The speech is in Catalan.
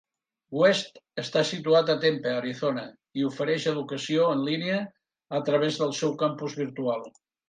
West està situat a Tempe, Arizona, i ofereix educació en línia a través del seu campus virtual.